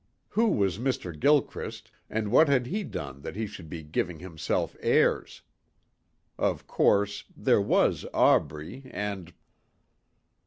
Who was Mr. Gilchrist and what had he done that he should be giving himself airs? Of course there was Aubrey and....